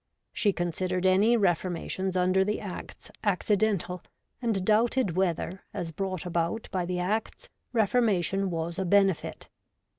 ' She considered any reformations under the Acts accidental, and 4pubted whether, as brought abput by the Acts, reformation was a benefit.